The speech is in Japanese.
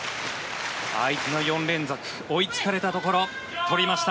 相手の４連続追いつかれたところを取りました。